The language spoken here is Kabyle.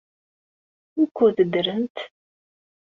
Wukud ddrent?